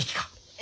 え？